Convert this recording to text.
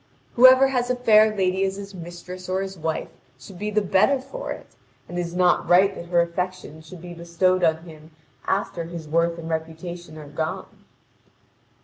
Whoever has a fair lady as his mistress or his wife should be the better for it, and it is not right that her affection should be bestowed on him after his worth and reputation are gone.